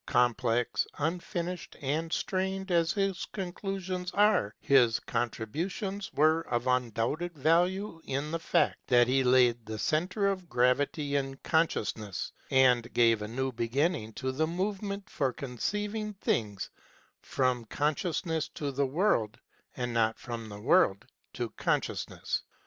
Complex, unfinished and strained as his conclusions are his con tributions were of undoubted value in the fact that he laid the centre of gravity in consciousness, and gave a new beginning to the movement for conceiving things from consciousness to the world and not from the world to consciousness.